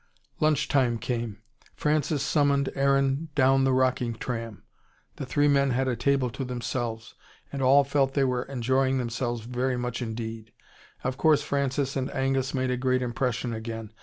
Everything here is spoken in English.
Lunch time came. Francis summoned Aaron down the rocking tram. The three men had a table to themselves, and all felt they were enjoying themselves very much indeed. Of course Francis and Angus made a great impression again.